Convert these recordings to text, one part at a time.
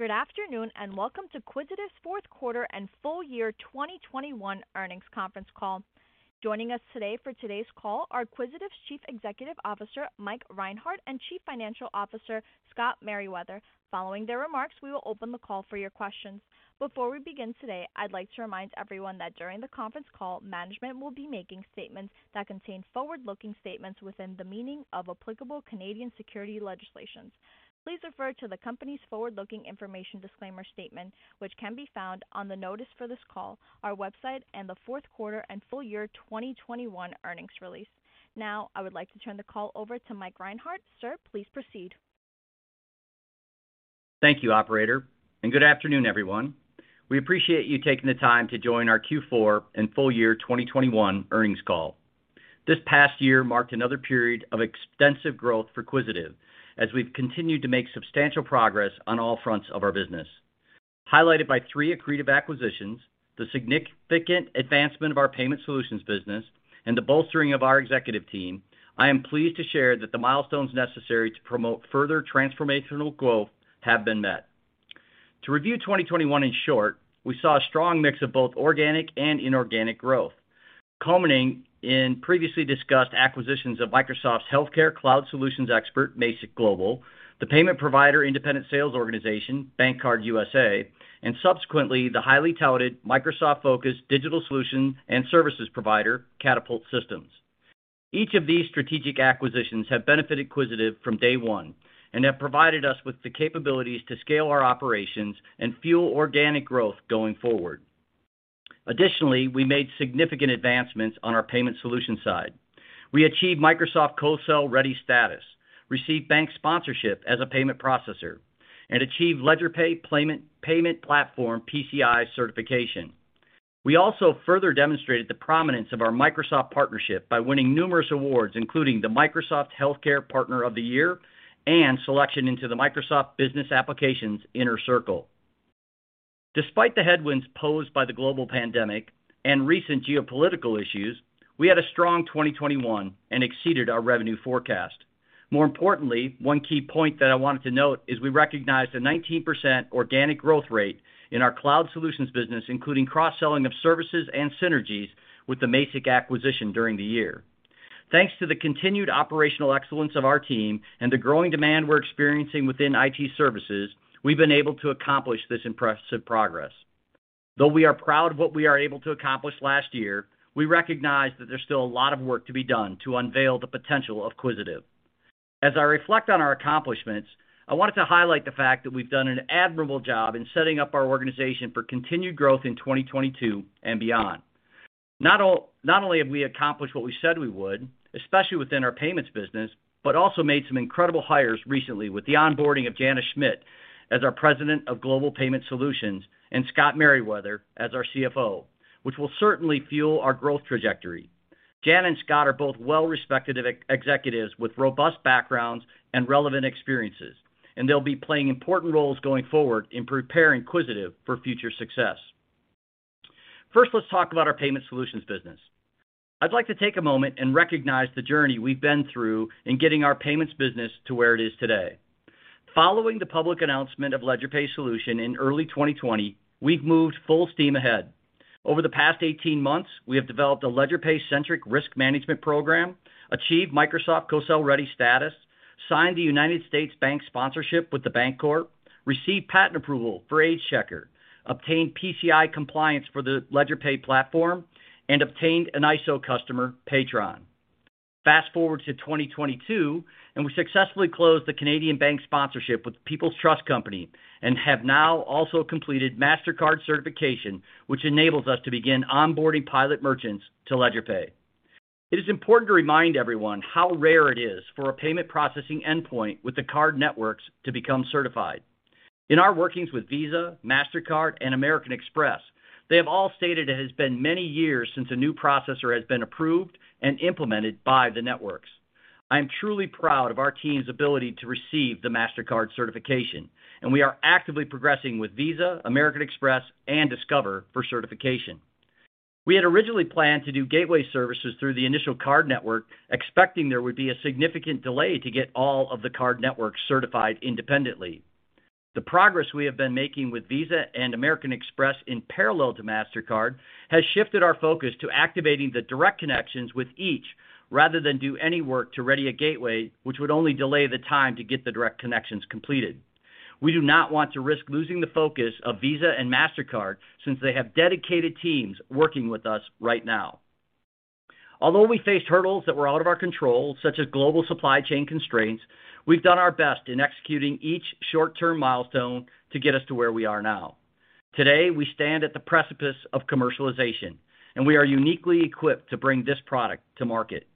Good afternoon, and welcome to Quisitive's Fourth Quarter and Full Year 2021 Earnings Conference Call. Joining us today for today's call are Quisitive's Chief Executive Officer, Mike Reinhart, and Chief Financial Officer, Scott Meriwether. Following their remarks, we will open the call for your questions. Before we begin today, I'd like to remind everyone that during the conference call, management will be making statements that contain forward-looking statements within the meaning of applicable Canadian security legislations. Please refer to the company's forward-looking information disclaimer statement, which can be found on the notice for this call, our website, and the fourth quarter and full year 2021 earnings release. Now, I would like to turn the call over to Mike Reinhart. Sir, please proceed. Thank you, operator, and good afternoon, everyone. We appreciate you taking the time to join our Q4 and Full Year 2021 Earnings Call. This past year marked another period of extensive growth for Quisitive, as we've continued to make substantial progress on all fronts of our business. Highlighted by three accretive acquisitions, the significant advancement of our payment solutions business, and the bolstering of our executive team, I am pleased to share that the milestones necessary to promote further transformational growth have been met. To review 2021 in short, we saw a strong mix of both organic and inorganic growth, culminating in previously discussed acquisitions of Microsoft's healthcare cloud solutions expert, Mazik Global, the payment provider independent sales organization, BankCard USA, and subsequently, the highly touted Microsoft-focused digital solution and services provider, Catapult Systems. Each of these strategic acquisitions have benefited Quisitive from day one and have provided us with the capabilities to scale our operations and fuel organic growth going forward. Additionally, we made significant advancements on our payment solution side. We achieved Microsoft Co-sell ready status, received bank sponsorship as a payment processor, and achieved LedgerPay payment platform PCI certification. We also further demonstrated the prominence of our Microsoft partnership by winning numerous awards, including the Microsoft Healthcare Partner of the Year and selection into the Inner Circle for Microsoft Business Applications. Despite the headwinds posed by the global pandemic and recent geopolitical issues, we had a strong 2021 and exceeded our revenue forecast. More importantly, one key point that I wanted to note is we recognized a 19% organic growth rate in our cloud solutions business, including cross-selling of services and synergies with the Mazik acquisition during the year. Thanks to the continued operational excellence of our team and the growing demand we're experiencing within IT services, we've been able to accomplish this impressive progress. Though we are proud of what we are able to accomplish last year, we recognize that there's still a lot of work to be done to unveil the potential of Quisitive. As I reflect on our accomplishments, I wanted to highlight the fact that we've done an admirable job in setting up our organization for continued growth in 2022 and beyond. Not only have we accomplished what we said we would, especially within our payments business, but also made some incredible hires recently with the onboarding of Jana Schmidt as our President of Global Payment Solutions and Scott Meriwether as our Chief Financial Officer, which will certainly fuel our growth trajectory. Jana and Scott are both well-respected ex-executives with robust backgrounds and relevant experiences, and they'll be playing important roles going forward in preparing Quisitive for future success. First, let's talk about our payment solutions business. I'd like to take a moment and recognize the journey we've been through in getting our payments business to where it is today. Following the public announcement of LedgerPay solution in early 2020, we've moved full steam ahead. Over the past 18 months, we have developed a LedgerPay-centric risk management program, achieved Microsoft Co-sell ready status, signed the United States bank sponsorship with The Bancorp, received patent approval for AgeChecker.Net, obtained PCI compliance for the LedgerPay platform, and obtained an ISO customer, PatronPay. Fast-forward to 2022, and we successfully closed the Canadian bank sponsorship with Peoples Trust Company and have now also completed Mastercard certification, which enables us to begin onboarding pilot merchants to LedgerPay. It is important to remind everyone how rare it is for a payment processing endpoint with the card networks to become certified. In our workings with Visa, Mastercard, and American Express, they have all stated it has been many years since a new processor has been approved and implemented by the networks. I am truly proud of our team's ability to receive the Mastercard certification, and we are actively progressing with Visa, American Express, and Discover for certification. We had originally planned to do gateway services through the initial card network, expecting there would be a significant delay to get all of the card networks certified independently. The progress we have been making with Visa and American Express in parallel to Mastercard has shifted our focus to activating the direct connections with each rather than do any work to ready a gateway, which would only delay the time to get the direct connections completed. We do not want to risk losing the focus of Visa and Mastercard since they have dedicated teams working with us right now. Although we faced hurdles that were out of our control, such as global supply chain constraints, we've done our best in executing each short-term milestone to get us to where we are now. Today, we stand at the precipice of commercialization, and we are uniquely equipped to bring this product to market.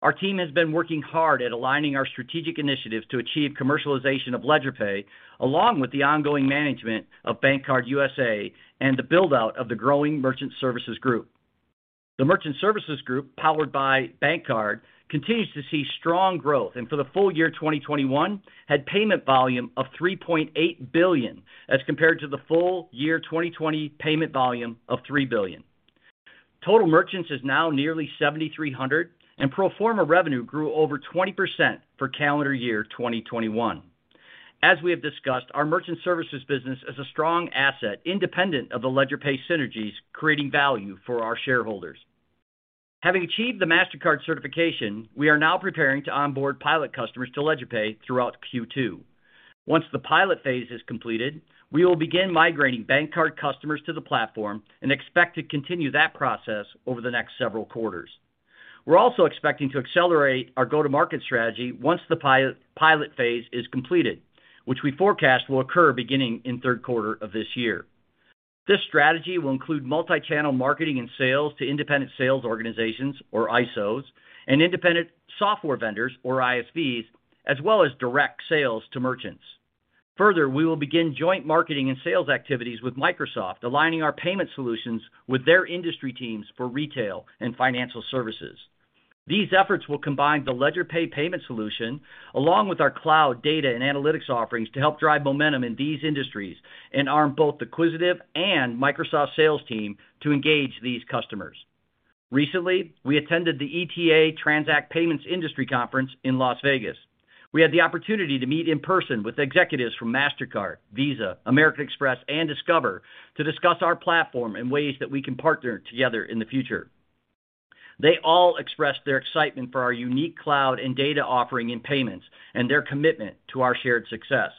Our team has been working hard at aligning our strategic initiatives to achieve commercialization of LedgerPay, along with the ongoing management of BankCard USA and the build-out of the growing merchant services group. The merchant services group, powered by BankCard, continues to see strong growth, and for the full year 2021 had payment volume of $3.8 billion as compared to the full year 2020 payment volume of $3 billion. Total merchants is now nearly 7,300, and pro forma revenue grew over 20% for calendar year 2021. As we have discussed, our merchant services business is a strong asset independent of the LedgerPay synergies, creating value for our shareholders. Having achieved the Mastercard certification, we are now preparing to onboard pilot customers to LedgerPay throughout Q2. Once the pilot phase is completed, we will begin migrating bank card customers to the platform and expect to continue that process over the next several quarters. We're also expecting to accelerate our go-to-market strategy once the pilot phase is completed, which we forecast will occur beginning in third quarter of this year. This strategy will include multi-channel marketing and sales to Independent Sales Organizations, or ISOs, and Independent Software Vendors, or ISVs, as well as direct sales to merchants. Further, we will begin joint marketing and sales activities with Microsoft, aligning our payment solutions with their industry teams for retail and financial services. These efforts will combine the LedgerPay payment solution along with our cloud data and analytics offerings to help drive momentum in these industries and arm both the Quisitive and Microsoft sales team to engage these customers. Recently, we attended the ETA TRANSACT Payments Industry Conference in Las Vegas. We had the opportunity to meet in person with executives from Mastercard, Visa, American Express, and Discover to discuss our platform and ways that we can partner together in the future. They all expressed their excitement for our unique cloud and data offering in payments and their commitment to our shared success.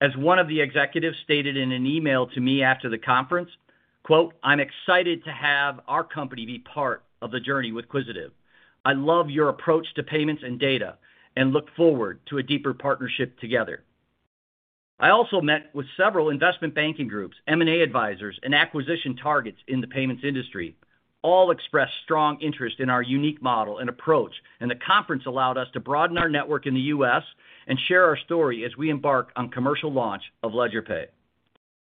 As one of the executives stated in an email to me after the conference, quote, "I'm excited to have our company be part of the journey with Quisitive. I love your approach to payments and data, and look forward to a deeper partnership together." I also met with several investment banking groups, M&A advisors, and acquisition targets in the payments industry. All expressed strong interest in our unique model and approach, and the conference allowed us to broaden our network in the U.S. and share our story as we embark on commercial launch of LedgerPay.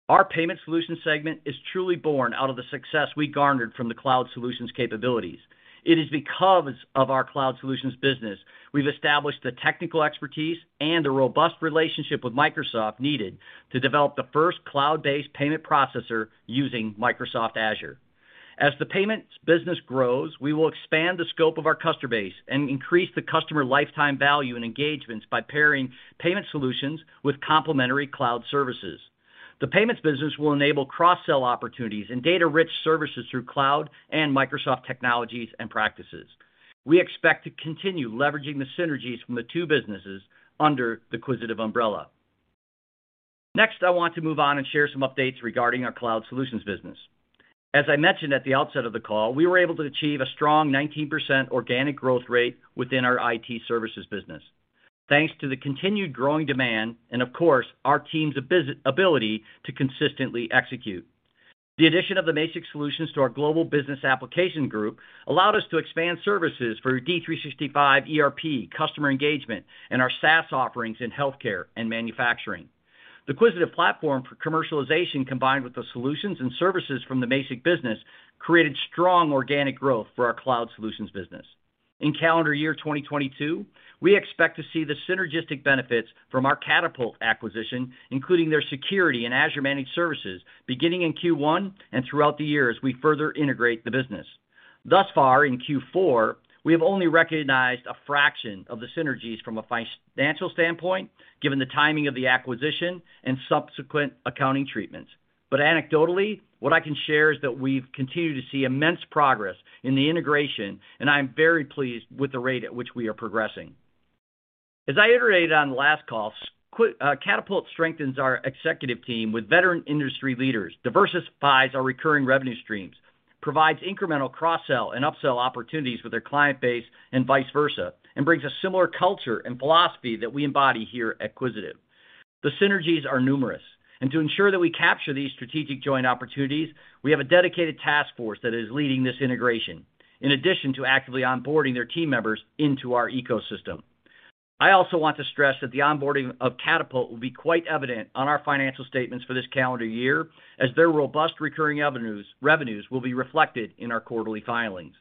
Our payment solutions segment is truly born out of the success we garnered from the cloud solutions capabilities. It is because of our cloud solutions business we've established the technical expertise and the robust relationship with Microsoft needed to develop the first cloud-based payment processor using Microsoft Azure. As the payments business grows, we will expand the scope of our customer base and increase the customer lifetime value and engagements by pairing payment solutions with complementary Cloud Services. The payments business will enable cross-sell opportunities and data-rich services through cloud and Microsoft technologies and practices. We expect to continue leveraging the synergies from the two businesses under the Quisitive umbrella. Next, I want to move on and share some updates regarding our cloud solutions business. As I mentioned at the outset of the call, we were able to achieve a strong 19% organic growth rate within our IT services business. Thanks to the continued growing demand and of course, our team's ability to consistently execute. The addition of the Mazik solutions to our Global Business Application group allowed us to expand services for D365 ERP, customer engagement, and our SaaS offerings in healthcare and manufacturing. The Quisitive platform for commercialization combined with the solutions and services from the Mazik business created strong organic growth for our cloud solutions business. In calendar year 2022, we expect to see the synergistic benefits from our Catapult acquisition, including their security and Azure managed services, beginning in Q1 and throughout the year as we further integrate the business. Thus far in Q4, we have only recognized a fraction of the synergies from a financial standpoint, given the timing of the acquisition and subsequent accounting treatments. Anecdotally, what I can share is that we've continued to see immense progress in the integration, and I'm very pleased with the rate at which we are progressing. As I iterated on the last call, Catapult strengthens our executive team with veteran industry leaders, diversifies our recurring revenue streams, provides incremental cross-sell and upsell opportunities with their client base and vice versa, and brings a similar culture and philosophy that we embody here at Quisitive. The synergies are numerous, and to ensure that we capture these strategic joint opportunities, we have a dedicated task force that is leading this integration, in addition to actively onboarding their team members into our ecosystem. I also want to stress that the onboarding of Catapult will be quite evident on our financial statements for this calendar year, as their robust recurring revenues will be reflected in our quarterly filings.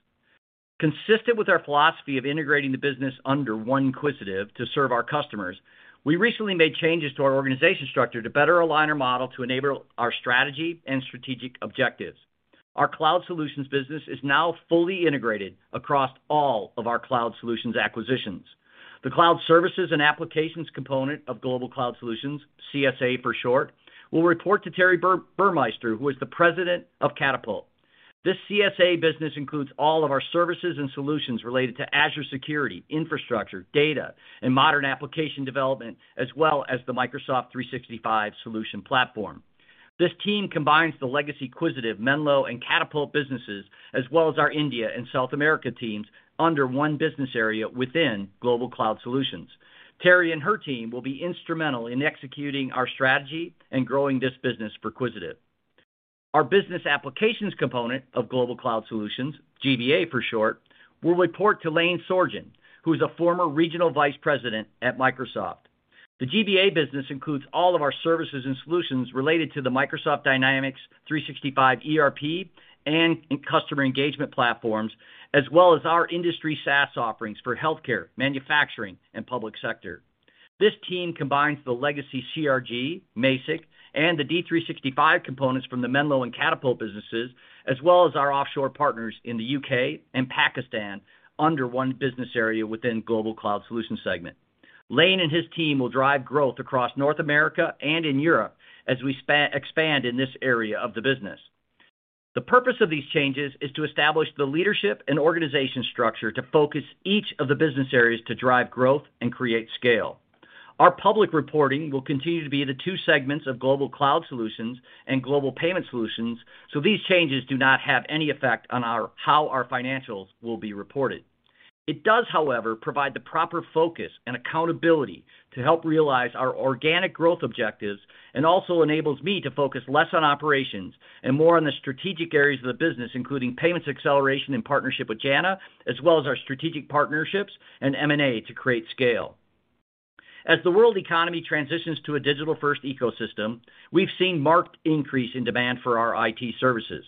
Consistent with our philosophy of integrating the business under one Quisitive to serve our customers, we recently made changes to our organizational structure to better align our model to enable our strategy and strategic objectives. Our cloud solutions business is now fully integrated across all of our cloud solutions acquisitions. The Cloud Services and Applications component of Global Cloud Solutions, CSA for short, will report to Teri Burmeister, who is the President of Catapult. This CSA business includes all of our services and solutions related to Azure security, infrastructure, data, and modern application development, as well as the Microsoft 365 solution platform. This team combines the legacy Quisitive, Menlo, and Catapult businesses, as well as our India and South America teams, under one business area within Global Cloud Solutions. Terri and her team will be instrumental in executing our strategy and growing this business for Quisitive. Our Business Applications component of Global Cloud Solutions, GBA for short, will report to Lane Sorgen, who is a former Regional Vice President at Microsoft. The GBA business includes all of our services and solutions related to the Microsoft Dynamics 365 ERP and customer engagement platforms, as well as our industry SaaS offerings for healthcare, manufacturing, and public sector. This team combines the legacy CRG, Mazik, and the Dynamics 365 components from the Menlo and Catapult businesses, as well as our offshore partners in the U.K. and Pakistan under one business area within Global Cloud Solutions segment. Lane and his team will drive growth across North America and in Europe as we expand in this area of the business. The purpose of these changes is to establish the leadership and organization structure to focus each of the business areas to drive growth and create scale. Our public reporting will continue to be the two segments of Global Cloud Solutions and Global Payment Solutions, so these changes do not have any effect on how our financials will be reported. It does, however, provide the proper focus and accountability to help realize our organic growth objectives and also enables me to focus less on operations and more on the strategic areas of the business, including payments acceleration in partnership with Jana, as well as our strategic partnerships and M&A to create scale. As the world economy transitions to a digital-first ecosystem, we've seen marked increase in demand for our IT services.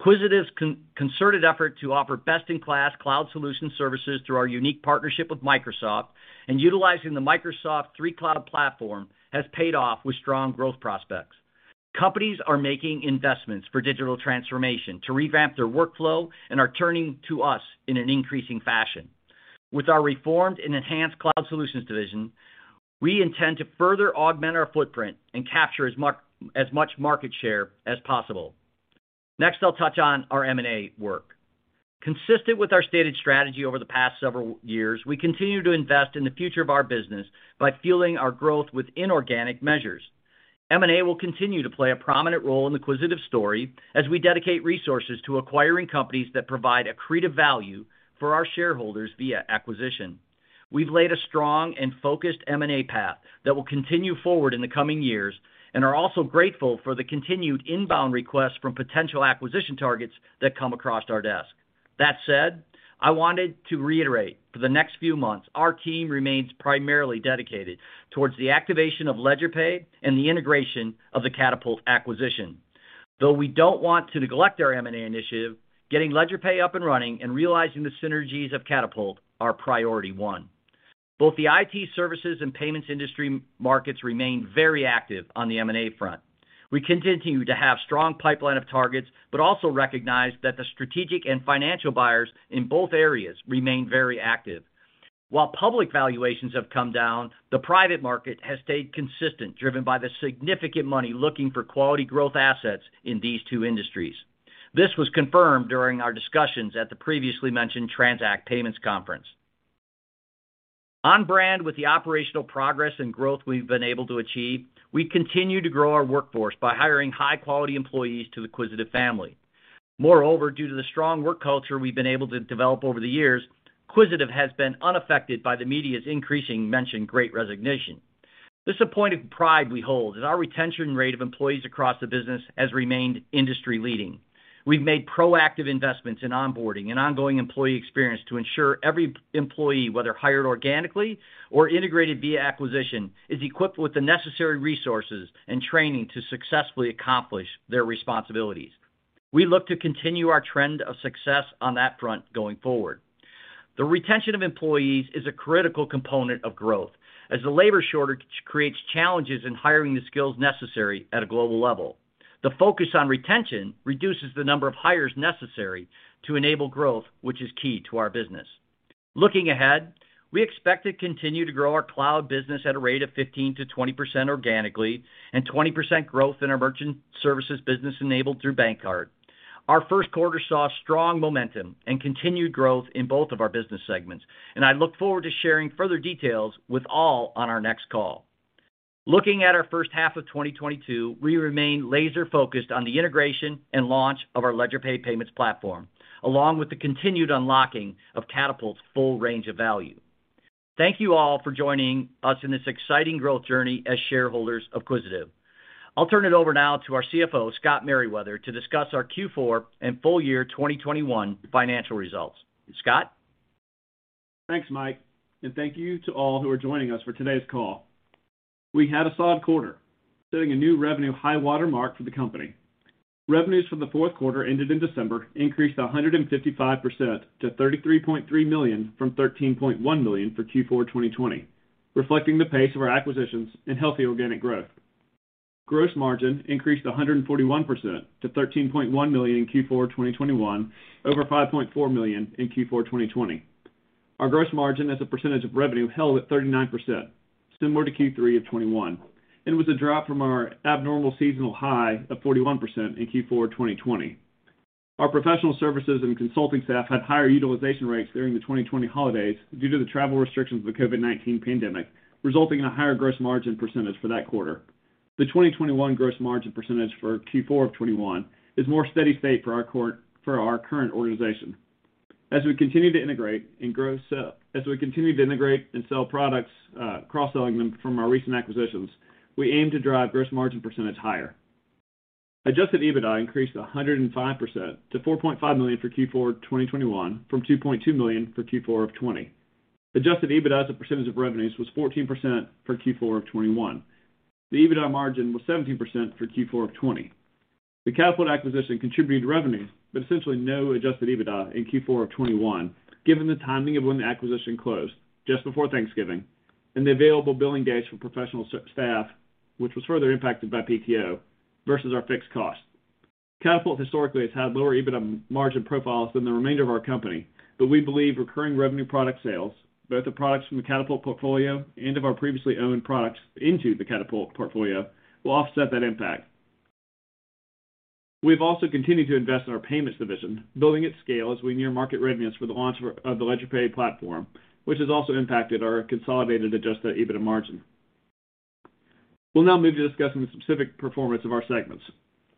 Quisitive's concerted effort to offer best-in-class cloud solution services through our unique partnership with Microsoft and utilizing the Microsoft three clouds platform has paid off with strong growth prospects. Companies are making investments for digital transformation to revamp their workflow and are turning to us in an increasing fashion. With our reformed and enhanced cloud solutions division, we intend to further augment our footprint and capture as much market share as possible. Next, I'll touch on our M&A work. Consistent with our stated strategy over the past several years, we continue to invest in the future of our business by fueling our growth with inorganic measures. M&A will continue to play a prominent role in Quisitive story as we dedicate resources to acquiring companies that provide accretive value for our shareholders via acquisition. We've laid a strong and focused M&A path that will continue forward in the coming years, and are also grateful for the continued inbound requests from potential acquisition targets that come across our desk. That said, I wanted to reiterate for the next few months, our team remains primarily dedicated towards the activation of LedgerPay and the integration of the Catapult acquisition. Though we don't want to neglect our M&A initiative, getting LedgerPay up and running and realizing the synergies of Catapult are priority one. Both the IT services and payments industry markets remain very active on the M&A front. We continue to have strong pipeline of targets, but also recognize that the strategic and financial buyers in both areas remain very active. While public valuations have come down, the private market has stayed consistent, driven by the significant money looking for quality growth assets in these two industries. This was confirmed during our discussions at the previously mentioned TRANSACT Payments Conference. On brand with the operational progress and growth we've been able to achieve, we continue to grow our workforce by hiring high-quality employees to the Quisitive family. Moreover, due to the strong work culture we've been able to develop over the years, Quisitive has been unaffected by the media's increasingly mentioned Great Resignation. This is a point of pride we hold, as our retention rate of employees across the business has remained industry-leading. We've made proactive investments in onboarding and ongoing employee experience to ensure every employee, whether hired organically or integrated via acquisition, is equipped with the necessary resources and training to successfully accomplish their responsibilities. We look to continue our trend of success on that front going forward. The retention of employees is a critical component of growth, as the labor shortage creates challenges in hiring the skills necessary at a global level. The focus on retention reduces the number of hires necessary to enable growth, which is key to our business. Looking ahead, we expect to continue to grow our cloud business at a rate of 15%-20% organically and 20% growth in our merchant services business enabled through BankCard. Our first quarter saw strong momentum and continued growth in both of our business segments, and I look forward to sharing further details with all on our next call. Looking at our first half of 2022, we remain laser-focused on the integration and launch of our LedgerPay payments platform, along with the continued unlocking of Catapult's full range of value. Thank you all for joining us in this exciting growth journey as shareholders of Quisitive. I'll turn it over now to our CFO, Scott Meriwether, to discuss our Q4 and full year 2021 financial results. Scott? Thanks, Mike, and thank you to all who are joining us for today's call. We had a solid quarter, setting a new revenue high water mark for the company. Revenues for the fourth quarter ended in December increased 155% to 33.3 million from 13.1 million for Q4 2020, reflecting the pace of our acquisitions and healthy organic growth. Gross margin increased 141% to 13.1 million in Q4 2021 over 5.4 million in Q4 2020. Our gross margin as a percentage of revenue held at 39%, similar to Q3 of 2021, and was a drop from our abnormal seasonal high of 41% in Q4 2020. Our professional services and consulting staff had higher utilization rates during the 2020 holidays due to the travel restrictions of the COVID-19 pandemic, resulting in a higher gross margin percentage for that quarter. The 2021 gross margin percentage for Q4 of 2021 is more steady state for our current organization. As we continue to integrate and sell products, cross-selling them from our recent acquisitions, we aim to drive gross margin percentage higher. Adjusted EBITDA increased 105% to 4.5 million for Q4 2021 from 2.2 million for Q4 of 2020. Adjusted EBITDA as a percentage of revenues was 14% for Q4 of 2021. The EBITDA margin was 17% for Q4 of 2020. The Catapult acquisition contributed revenue, but essentially no adjusted EBITDA in Q4 of 2021, given the timing of when the acquisition closed, just before Thanksgiving, and the available billing days for professional staff, which was further impacted by PTO versus our fixed cost. Catapult historically has had lower EBITDA margin profiles than the remainder of our company, but we believe recurring revenue product sales, both the products from the Catapult portfolio and of our previously owned products into the Catapult portfolio, will offset that impact. We've also continued to invest in our payments division, building at scale as we near market readiness for the launch of the LedgerPay platform, which has also impacted our consolidated adjusted EBITDA margin. We'll now move to discussing the specific performance of our segments.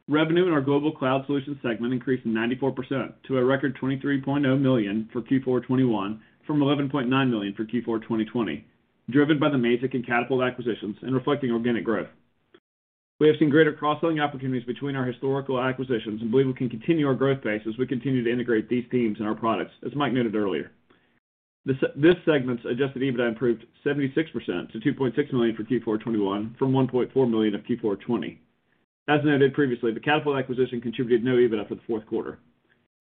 Revenue in our Global Cloud Solutions segment increased 94% to a record 23.0 million for Q4 2021 from 11.9 million for Q4 2020, driven by the Mazik and Catapult acquisitions and reflecting organic growth. We have seen greater cross-selling opportunities between our historical acquisitions and believe we can continue our growth pace as we continue to integrate these teams and our products, as Mike noted earlier. This segment's adjusted EBITDA improved 76% to 2.6 million for Q4 2021 from 1.4 million for Q4 2020. As noted previously, the Catapult acquisition contributed no EBITDA for the fourth quarter.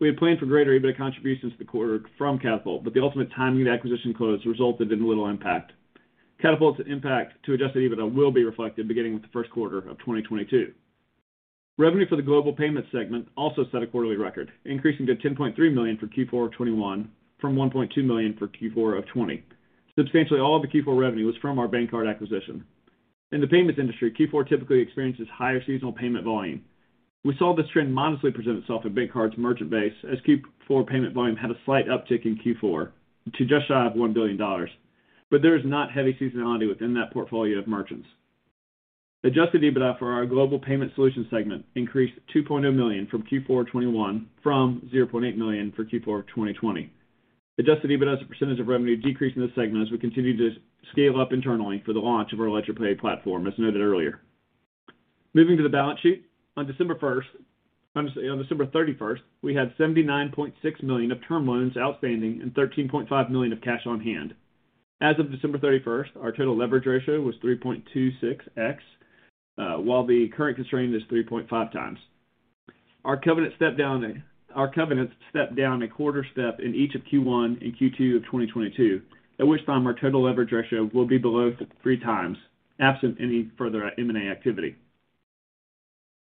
We had planned for greater EBITDA contributions to the quarter from Catapult, but the ultimate timing of the acquisition close resulted in little impact. Catapult's impact to adjusted EBITDA will be reflected beginning with the first quarter of 2022. Revenue for the Global Payment Solutions segment also set a quarterly record, increasing to 10.3 million for Q4 2021 from 1.2 million for Q4 of 2020. Substantially all of the Q4 revenue was from our BankCard acquisition. In the payments industry, Q4 typically experiences higher seasonal payment volume. We saw this trend modestly present itself in BankCard's merchant base as Q4 payment volume had a slight uptick in Q4 to just shy of $1 billion. There is not heavy seasonality within that portfolio of merchants. Adjusted EBITDA for our Global Payment Solutions segment increased to 2.0 million for Q4 2021 from 0.8 million for Q4 2020. Adjusted EBITDA as a percentage of revenue decreased in this segment as we continued to scale up internally for the launch of our LedgerPay platform, as noted earlier. Moving to the balance sheet, on December 31, we had 79.6 million of term loans outstanding and 13.5 million of cash on hand. As of December 31, our total leverage ratio was 3.26x while the current constraint is 3.5 times. Our covenant stepped down a quarter step in each of Q1 and Q2 of 2022. At which time our total leverage ratio will be below 3 times, absent any further M&A activity.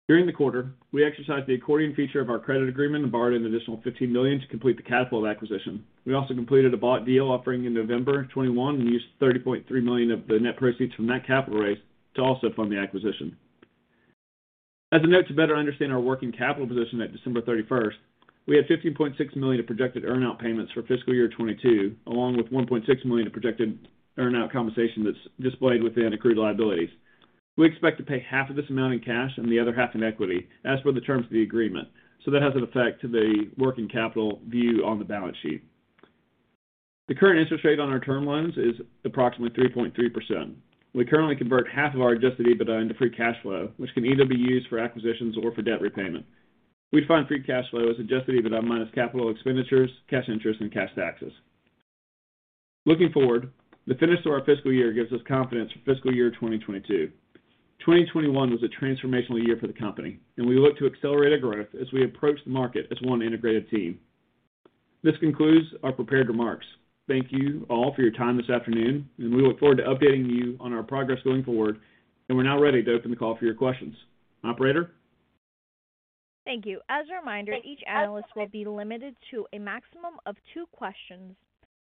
During the quarter, we exercised the accordion feature of our credit agreement and borrowed an additional 15 million to complete the Catapult acquisition. We also completed a bond deal offering in November of 2021, and used 30.3 million of the net proceeds from that capital raise to also fund the acquisition. As a note to better understand our working capital position at December 31, we had 15.6 million of projected earn-out payments for fiscal year 2022, along with 1.6 million of projected earn-out compensation that's displayed within accrued liabilities. We expect to pay half of this amount in cash and the other half in equity. As for the terms of the agreement, so that has an effect to the working capital view on the balance sheet. The current interest rate on our term loans is approximately 3.3%. We currently convert half of our adjusted EBITDA into free cash flow, which can either be used for acquisitions or for debt repayment. We define free cash flow as adjusted EBITDA minus capital expenditures, cash interest, and cash taxes. Looking forward, the finish to our fiscal year gives us confidence for fiscal year 2022. 2021 was a transformational year for the company, and we look to accelerate our growth as we approach the market as one integrated team. This concludes our prepared remarks. Thank you all for your time this afternoon, and we look forward to updating you on our progress going forward, and we're now ready to open the call for your questions. Operator? Thank you. As a reminder, each analyst will be limited to a maximum of two questions.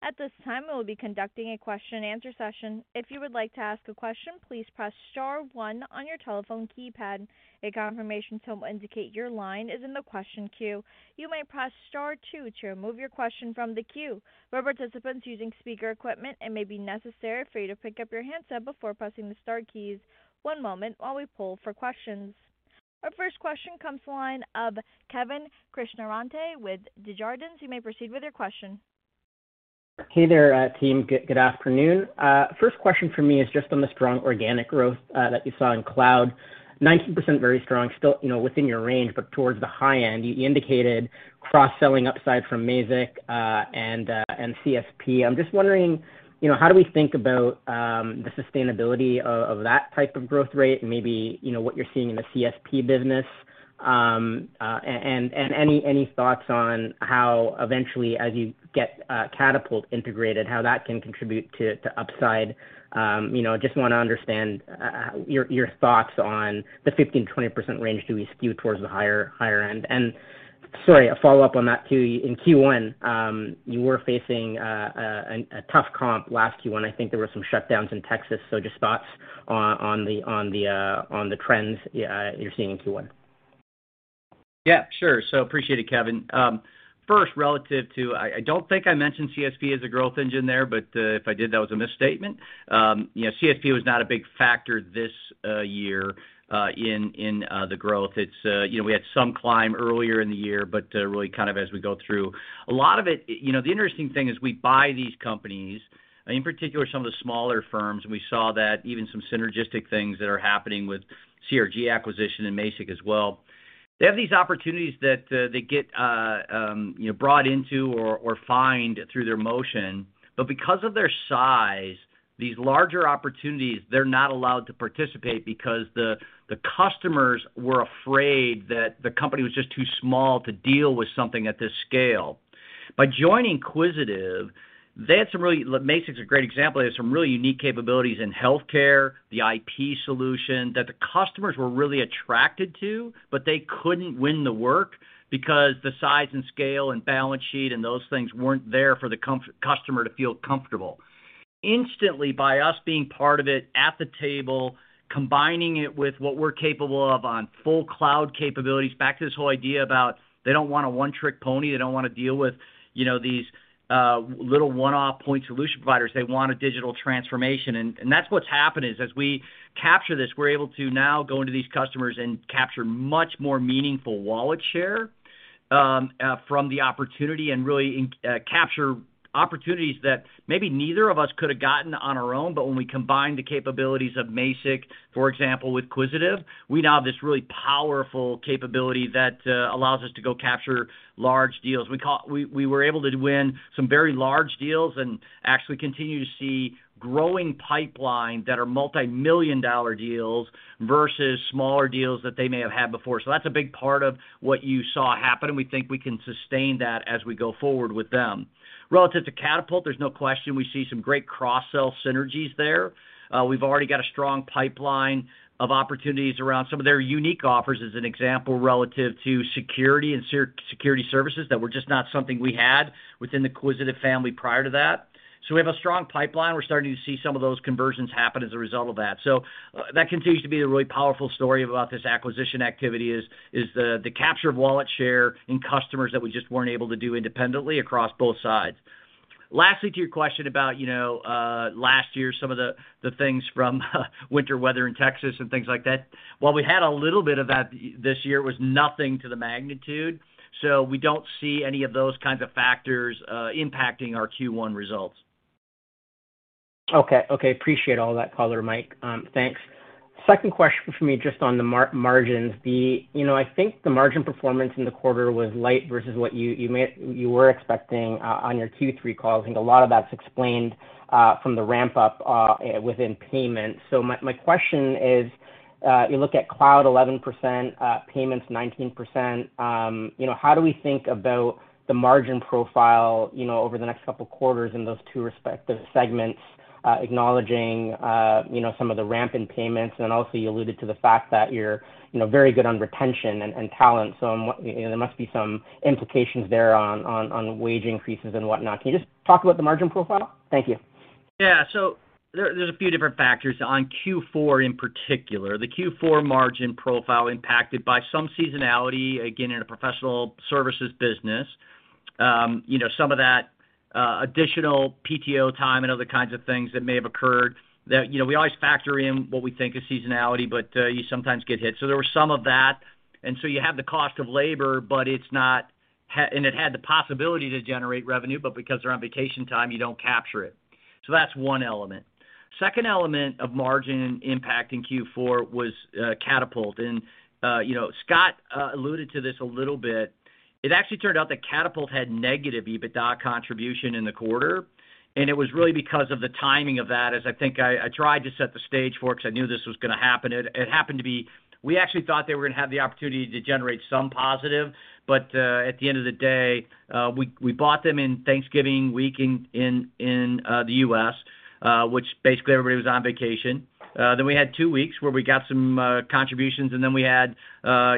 At this time, we will be conducting a question and answer session. If you would like to ask a question, please press star one on your telephone keypad. A confirmation tone will indicate your line is in the question queue. You may press star two to remove your question from the queue. For participants using speaker equipment, it may be necessary for you to pick up your handset before pressing the star keys. One moment while we poll for questions. Our first question comes from the line of Kevin Krishnaratne with Desjardins. You may proceed with your question. Hey there, team. Good afternoon. First question from me is just on the strong organic growth that you saw in Cloud. 19% very strong, still, you know, within your range, but towards the high end. You indicated cross-selling upside from Mazik and CSP. I'm just wondering, you know, how do we think about the sustainability of that type of growth rate and maybe, you know, what you're seeing in the CSP business and any thoughts on how eventually as you get Catapult integrated, how that can contribute to upside? You know, just wanna understand your thoughts on the 15%-20% range. Do we skew towards the higher end? Sorry, a follow-up on that, too. In Q1, you were facing a tough comp last Q1. I think there were some shutdowns in Texas, so just thoughts on the trends you're seeing in Q1. Yeah, sure. Appreciate it, Kevin. First, relative to, I don't think I mentioned CSP as a growth engine there, but if I did, that was a misstatement. You know, CSP was not a big factor this year in the growth. It's, you know, we had some climb earlier in the year, but really kind of as we go through. A lot of it, you know, the interesting thing is we buy these companies, in particular some of the smaller firms, and we saw that even some synergistic things that are happening with CRG acquisition and Mazik as well. They have these opportunities that they get brought into or find through their motion. Because of their size, these larger opportunities, they're not allowed to participate because the customers were afraid that the company was just too small to deal with something at this scale. By joining Quisitive, they had some really, Mazik's a great example. They had some really unique capabilities in healthcare, the IP solution that the customers were really attracted to, but they couldn't win the work because the size and scale and balance sheet and those things weren't there for the customer to feel comfortable. Instantly by us being part of it at the table, combining it with what we're capable of on full cloud capabilities, back to this whole idea about they don't want a one-trick pony. They don't want to deal with, you know, these little one-off point solution providers. They want a digital transformation. That's what's happened, is as we capture this, we're able to now go into these customers and capture much more meaningful wallet share from the opportunity and really capture opportunities that maybe neither of us could have gotten on our own. When we combine the capabilities of Mazik, for example, with Quisitive, we now have this really powerful capability that allows us to go capture large deals. We were able to win some very large deals and actually continue to see growing pipeline that are multimillion-dollar deals versus smaller deals that they may have had before. That's a big part of what you saw happen, and we think we can sustain that as we go forward with them. Relative to Catapult, there's no question we see some great cross-sell synergies there. We've already got a strong pipeline of opportunities around some of their unique offers, as an example, relative to security and security services that were just not something we had within the Quisitive family prior to that. We have a strong pipeline. We're starting to see some of those conversions happen as a result of that. That continues to be the really powerful story about this acquisition activity is the capture of wallet share in customers that we just weren't able to do independently across both sides. Lastly, to your question about, you know, last year, some of the things from winter weather in Texas and things like that. While we had a little bit of that this year, it was nothing to the magnitude. We don't see any of those kinds of factors impacting our Q1 results. Okay. Appreciate all that color, Mike. Thanks. Second question for me, just on the margins. You know, I think the margin performance in the quarter was light versus what you were expecting on your Q3 calls, and a lot of that's explained from the ramp-up within payments. My question is, you look at cloud 11%, payments 19%, you know, how do we think about the margin profile, you know, over the next couple quarters in those two respective segments, acknowledging, you know, some of the ramp in payments? And then also you alluded to the fact that you're, you know, very good on retention and talent. What you know, there must be some implications there on wage increases and whatnot. Can you just talk about the margin profile? Thank you. Yeah. There are a few different factors. On Q4, in particular, the Q4 margin profile impacted by some seasonality, again, in a professional services business. You know, some of that additional PTO time and other kinds of things that may have occurred, you know, we always factor in what we think is seasonality, but you sometimes get hit. There was some of that. You have the cost of labor, and it had the possibility to generate revenue, but because they're on vacation time, you don't capture it. That's one element. Second element of margin impact in Q4 was Catapult. You know, Scott alluded to this a little bit. It actually turned out that Catapult had negative EBITDA contribution in the quarter, and it was really because of the timing of that, as I think I tried to set the stage for because I knew this was gonna happen. It happened to be. We actually thought they were gonna have the opportunity to generate some positive, but at the end of the day, we bought them in Thanksgiving week in the U.S., which basically everybody was on vacation. Then we had 2 weeks where we got some contributions, and then we had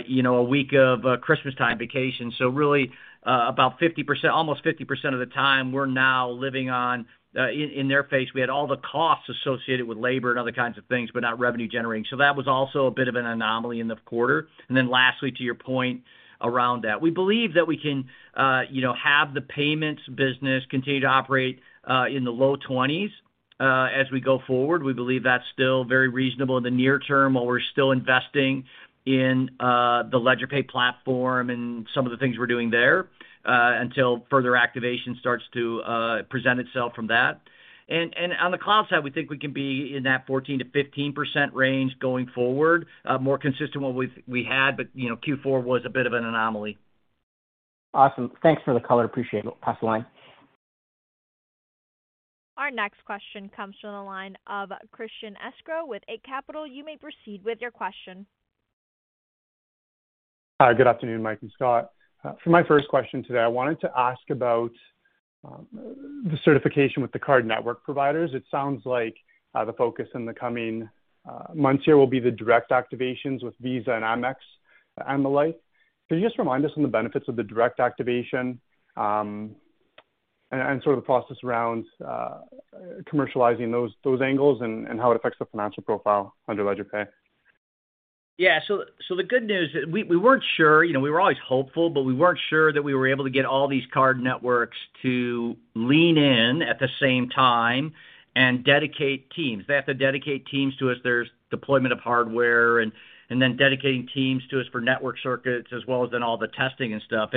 you know a week of Christmas time vacation. Really, about 50%—almost 50% of the time we're now living on in their phase. We had all the costs associated with labor and other kinds of things, but not revenue generating. That was also a bit of an anomaly in the quarter. Lastly, to your point around that. We believe that we can, you know, have the payments business continue to operate in the low 20s as we go forward. We believe that's still very reasonable in the near term while we're still investing in the LedgerPay platform and some of the things we're doing there until further activation starts to present itself from that. On the cloud side, we think we can be in that 14%-15% range going forward, more consistent with we had, you know, Q4 was a bit of an anomaly. Awesome. Thanks for the color. Appreciate it. Pass the line. Our next question comes from the line of Christian Sgro with Eight Capital. You may proceed with your question. Hi. Good afternoon, Mike and Scott. For my first question today, I wanted to ask about the certification with the card network providers. It sounds like the focus in the coming months here will be the direct activations with Visa and Amex and the like. Can you just remind us on the benefits of the direct activation and sort of the process around commercializing those angles and how it affects the financial profile under LedgerPay? Yeah. The good news. We weren't sure, you know, we were always hopeful, but we weren't sure that we were able to get all these card networks to lean in at the same time and dedicate teams. They have to dedicate teams to us. There's deployment of hardware and then dedicating teams to us for network circuits as well as then all the testing and stuff.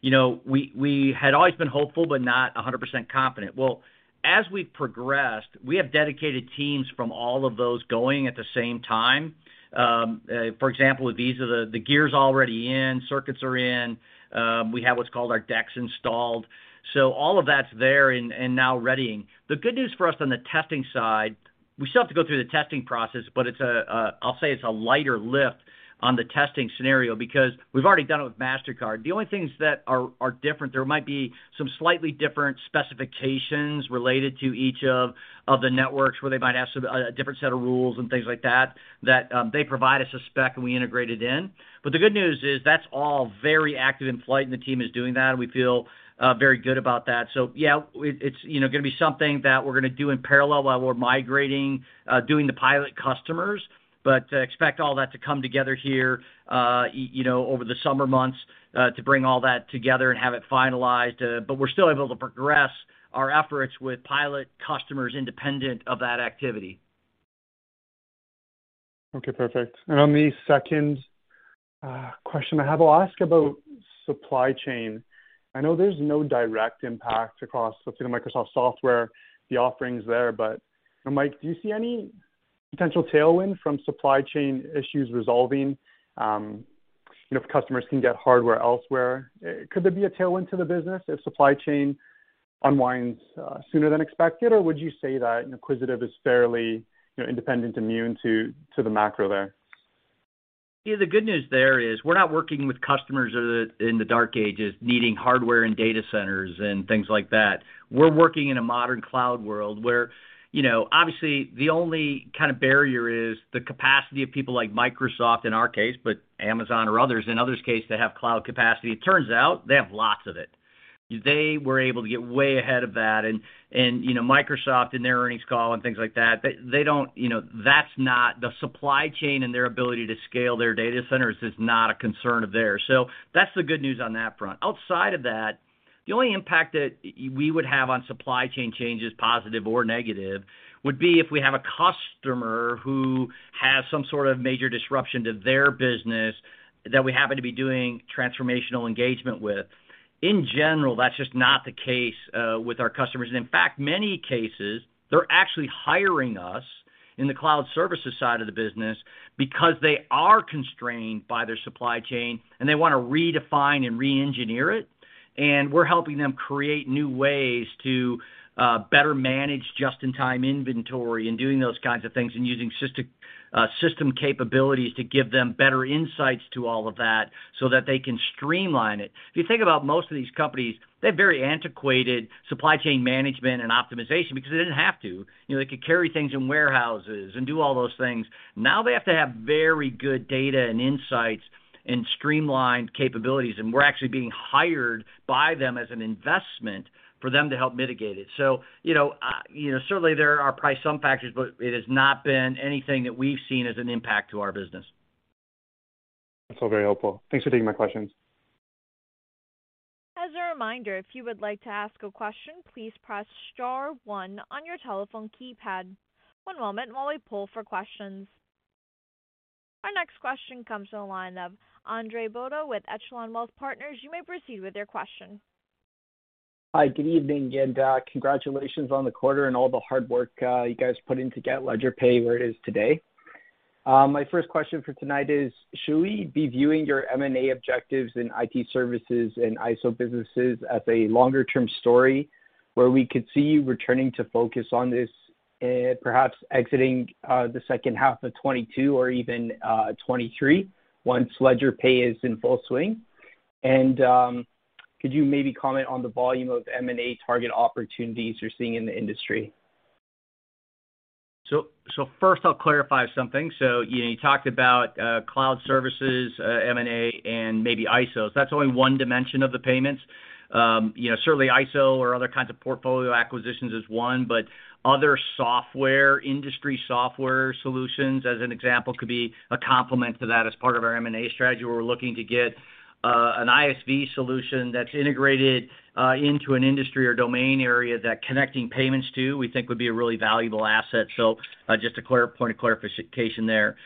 You know, we had always been hopeful but not a hundred percent confident. Well, as we progressed, we have dedicated teams from all of those going at the same time. For example, with Visa, the gear's already in, circuits are in, we have what's called our DEX installed. So all of that's there and now readying. The good news for us on the testing side, we still have to go through the testing process, but it's a lighter lift on the testing scenario because we've already done it with Mastercard. The only things that are different, there might be some slightly different specifications related to each of the networks where they might have some different set of rules and things like that, they provide us a spec and we integrate it in. The good news is that's all very active in flight, and the team is doing that. We feel very good about that. Yeah, it's you know gonna be something that we're gonna do in parallel while we're migrating doing the pilot customers. Expect all that to come together here, you know, over the summer months, to bring all that together and have it finalized. We're still able to progress our efforts with pilot customers independent of that activity. Okay, perfect. On the second question I have, I'll ask about supply chain. I know there's no direct impact across, let's say, the Microsoft software, the offerings there. But, you know, Mike, do you see any potential tailwind from supply chain issues resolving, you know, if customers can get hardware elsewhere? Could there be a tailwind to the business if supply chain unwinds sooner than expected? Or would you say that Quisitive is fairly, you know, independent, immune to the macro there? Yeah. The good news there is we're not working with customers that are in the dark ages needing hardware and data centers and things like that. We're working in a modern cloud world where, you know, obviously the only kind of barrier is the capacity of people like Microsoft in our case, but Amazon or others in other cases that have cloud capacity. It turns out they have lots of it. They were able to get way ahead of that. You know, Microsoft in their earnings call and things like that, they don't. You know, that's not the supply chain and their ability to scale their data centers is not a concern of theirs. So that's the good news on that front. Outside of that, the only impact that we would have on supply chain changes, positive or negative, would be if we have a customer who has some sort of major disruption to their business that we happen to be doing transformational engagement with. In general, that's just not the case with our customers. In fact, many cases, they're actually hiring us in the Cloud Services side of the business because they are constrained by their supply chain, and they wanna redefine and re-engineer it. We're helping them create new ways to better manage just-in-time inventory and doing those kinds of things and using system capabilities to give them better insights to all of that so that they can streamline it. If you think about most of these companies, they have very antiquated supply chain management and optimization because they didn't have to. You know, they could carry things in warehouses and do all those things. Now they have to have very good data and insights and streamlined capabilities, and we're actually being hired by them as an investment for them to help mitigate it. You know, certainly there are probably some factors, but it has not been anything that we've seen as an impact to our business. That's all very helpful. Thanks for taking my questions. As a reminder, if you would like to ask a question, please press star one on your telephone keypad. One moment while we poll for questions. Our next question comes from the line of Andre Bodo with Echelon Wealth Partners. You may proceed with your question. Hi, good evening, and congratulations on the quarter and all the hard work you guys put in to get LedgerPay where it is today. My first question for tonight is, should we be viewing your M&A objectives in IT services and ISO businesses as a longer-term story where we could see you returning to focus on this, perhaps exiting the second half of 2022 or even 2023 once LedgerPay is in full swing? Could you maybe comment on the volume of M&A target opportunities you're seeing in the industry? First I'll clarify something. You know, you talked about Cloud Services, M&A, and maybe ISOs. That's only one dimension of the payments. You know, certainly ISO or other kinds of portfolio acquisitions is one, but other software, industry software solutions, as an example, could be a complement to that as part of our M&A strategy, where we're looking to get an ISV solution that's integrated into an industry or domain area that connecting payments to, we think would be a really valuable asset. Just a clear point of clarification there.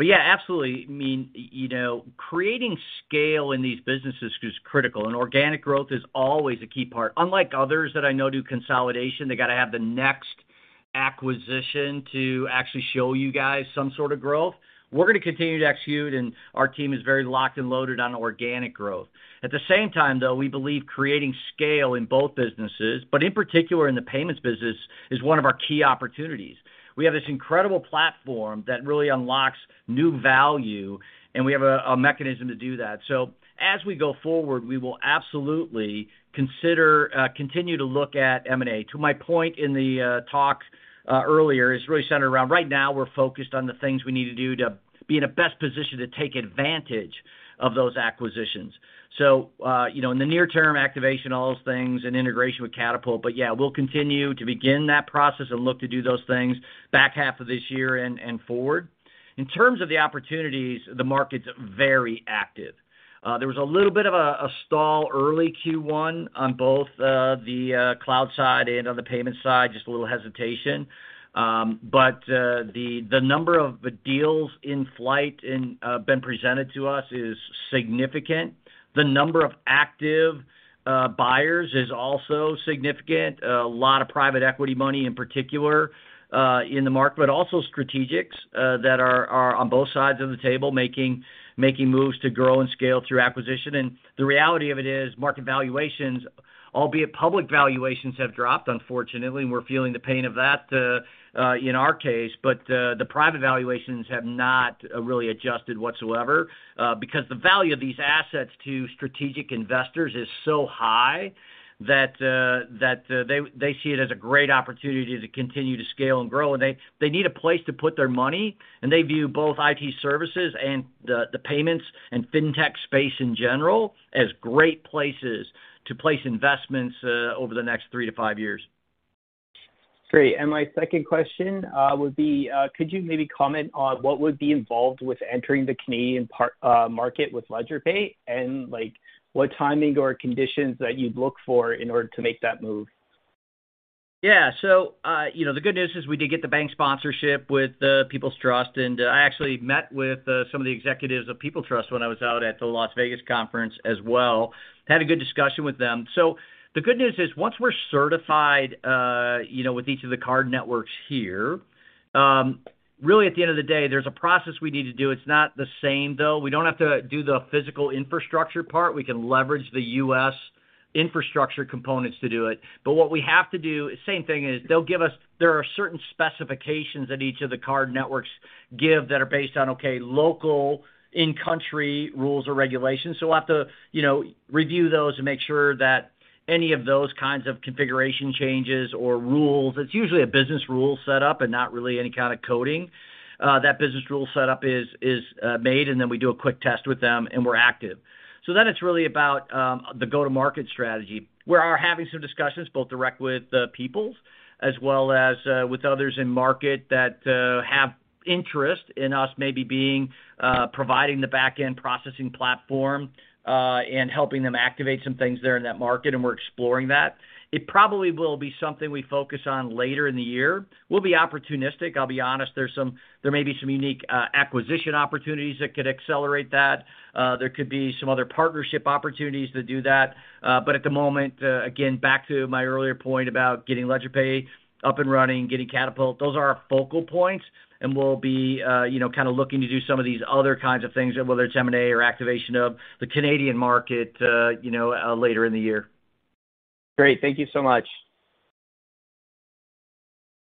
Yeah, absolutely. I mean, you know, creating scale in these businesses is critical, and organic growth is always a key part. Unlike others that I know do consolidation, they gotta have the next acquisition to actually show you guys some sort of growth. We're gonna continue to execute, and our team is very locked and loaded on organic growth. At the same time, though, we believe creating scale in both businesses, but in particular in the payments business, is one of our key opportunities. We have this incredible platform that really unlocks new value, and we have a mechanism to do that. As we go forward, we will absolutely consider continue to look at M&A. To my point in the talk earlier is really centered around right now we're focused on the things we need to do to be in the best position to take advantage of those acquisitions. You know, in the near term activation, all those things, and integration with Catapult. Yeah, we'll continue to begin that process and look to do those things back half of this year and forward. In terms of the opportunities, the market's very active. There was a little bit of a stall early Q1 on both the cloud side and on the payment side, just a little hesitation. But the number of deals in flight and been presented to us is significant. The number of active buyers is also significant. A lot of private equity money, in particular, in the market, but also strategics that are on both sides of the table making moves to grow and scale through acquisition. The reality of it is market valuations, albeit public valuations have dropped unfortunately, and we're feeling the pain of that, in our case, but the private valuations have not really adjusted whatsoever, because the value of these assets to strategic investors is so high that they see it as a great opportunity to continue to scale and grow. They need a place to put their money, and they view both IT services and the payments and fintech space in general as great places to place investments over the next three to five years. Great. My second question would be, could you maybe comment on what would be involved with entering the Canadian market with LedgerPay? Like, what timing or conditions that you'd look for in order to make that move? Yeah. You know, the good news is we did get the bank sponsorship with Peoples Trust, and I actually met with some of the executives of Peoples Trust when I was out at the Las Vegas conference as well. Had a good discussion with them. The good news is, once we're certified, you know, with each of the card networks here, really at the end of the day, there's a process we need to do. It's not the same though. We don't have to do the physical infrastructure part. We can leverage the U.S. infrastructure components to do it. But what we have to do, same thing, is they'll give us. There are certain specifications that each of the card networks give that are based on, okay, local in-country rules or regulations. We'll have to you know review those and make sure that any of those kinds of configuration changes or rules. It's usually a business rule set up and not really any kind of coding. That business rule set up is made, and then we do a quick test with them, and we're active. It's really about the go-to-market strategy. We are having some discussions, both direct with Peoples as well as with others in market that have interest in us maybe being providing the back-end processing platform and helping them activate some things there in that market, and we're exploring that. It probably will be something we focus on later in the year. We'll be opportunistic. I'll be honest, there may be some unique acquisition opportunities that could accelerate that. There could be some other partnership opportunities to do that. At the moment, again, back to my earlier point about getting LedgerPay up and running, getting Catapult, those are our focal points, and we'll be, you know, kind of looking to do some of these other kinds of things, whether it's M&A or activation of the Canadian market, you know, later in the year. Great. Thank you so much.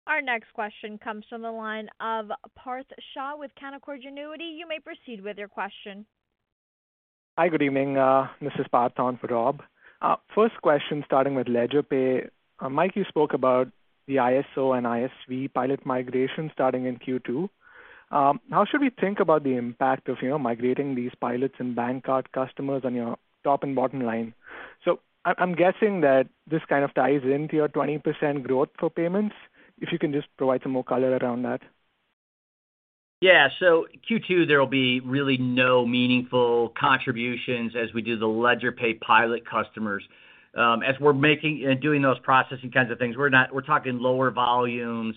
Our next question comes from the line of Parth Shah with Canaccord Genuity. You may proceed with your question. Hi, good evening. This is Parth on for Rob. First question, starting with LedgerPay. Mike, you spoke about the ISO and ISV pilot migration starting in Q2. How should we think about the impact of, you know, migrating these pilots and BankCard customers on your top and bottom line? I'm guessing that this kind of ties into your 20% growth for payments, if you can just provide some more color around that. Yeah. Q2, there will be really no meaningful contributions as we do the LedgerPay pilot customers. As we're making and doing those processing kinds of things, We're talking lower volumes,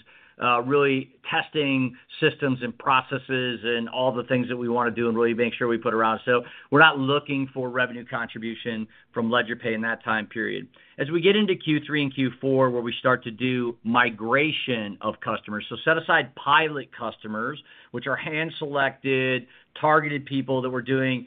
really testing systems and processes and all the things that we wanna do and really make sure we put around. We're not looking for revenue contribution from LedgerPay in that time period. As we get into Q3 and Q4, where we start to do migration of customers, so set aside pilot customers, which are hand-selected, targeted people that we're doing,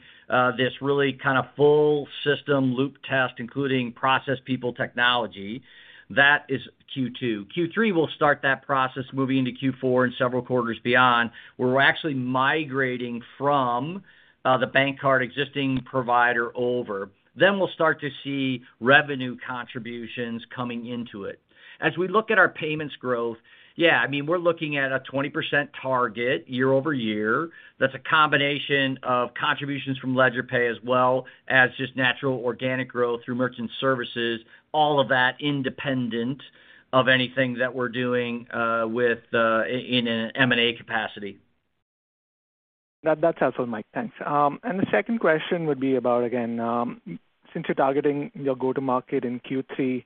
this really kind of full system loop test, including process, people, technology, that is Q2. Q3, we'll start that process moving into Q4 and several quarters beyond, where we're actually migrating from, the BankCard existing provider over. We'll start to see revenue contributions coming into it. As we look at our payments growth, yeah, I mean, we're looking at a 20% target year-over-year. That's a combination of contributions from LedgerPay as well as just natural organic growth through merchant services, all of that independent of anything that we're doing with in an M&A capacity. That's helpful, Mike. Thanks. The second question would be about again since you're targeting your go-to-market in Q3,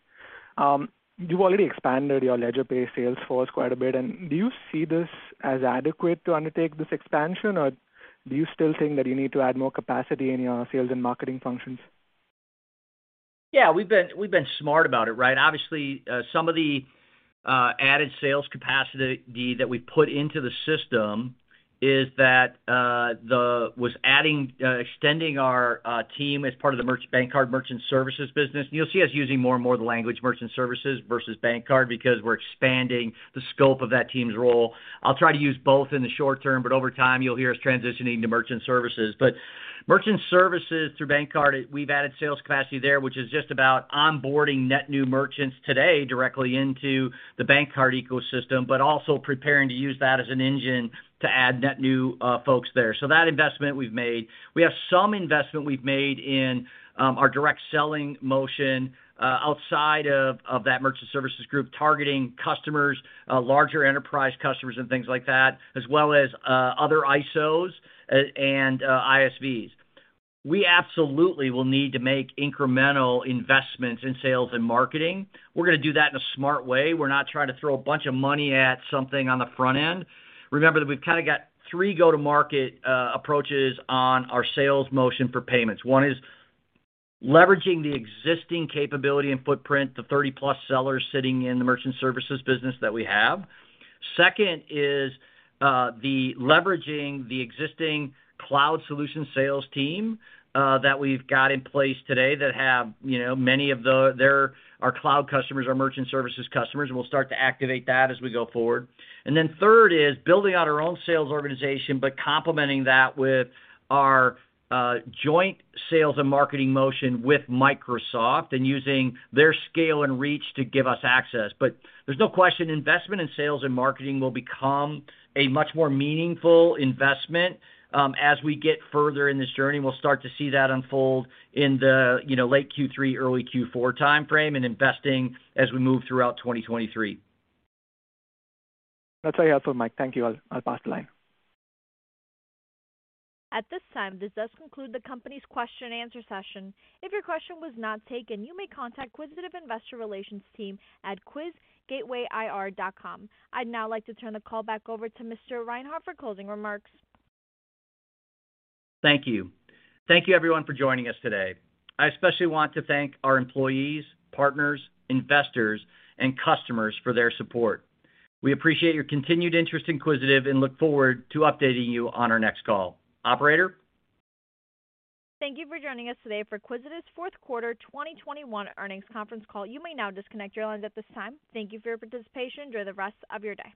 you've already expanded your LedgerPay sales force quite a bit, and do you see this as adequate to undertake this expansion? Or do you still think that you need to add more capacity in your sales and marketing functions? Yeah. We've been smart about it, right? Obviously, some of the added sales capacity that we put into the system was adding, extending our team as part of the BankCard merchant services business. You'll see us using more and more of the language merchant services versus BankCard because we're expanding the scope of that team's role. I'll try to use both in the short term, but over time, you'll hear us transitioning to merchant services. Merchant services through BankCard, we've added sales capacity there, which is just about onboarding net new merchants today directly into the BankCard ecosystem, but also preparing to use that as an engine to add net new folks there. That investment we've made. We have some investment we've made in our direct selling motion outside of that merchant services group, targeting customers larger enterprise customers and things like that, as well as other ISOs and ISVs. We absolutely will need to make incremental investments in sales and marketing. We're gonna do that in a smart way. We're not trying to throw a bunch of money at something on the front end. Remember that we've kinda got three go-to-market approaches on our sales motion for payments. One is leveraging the existing capability and footprint, the 30+ sellers sitting in the merchant services business that we have. Second is leveraging the existing cloud solution sales team that we've got in place today that have, you know, many of our cloud customers are merchant services customers, and we'll start to activate that as we go forward. Third is building out our own sales organization but complementing that with our joint sales and marketing motion with Microsoft and using their scale and reach to give us access. There's no question investment in sales and marketing will become a much more meaningful investment as we get further in this journey. We'll start to see that unfold in the, you know, late Q3, early Q4 timeframe and investing as we move throughout 2023. That's very helpful, Mike. Thank you. I'll pass the line. At this time, this does conclude the company's question and answer session. If your question was not taken, you may contact Quisitive Investor Relations team at QUIS@gatewayir.com. I'd now like to turn the call back over to Mr. Reinhart for closing remarks. Thank you. Thank you everyone for joining us today. I especially want to thank our employees, partners, investors, and customers for their support. We appreciate your continued interest in Quisitive and look forward to updating you on our next call. Operator. Thank you for joining us today for Quisitive's Fourth Quarter 2021 Earnings Conference Call. You may now disconnect your lines at this time. Thank you for your participation. Enjoy the rest of your day.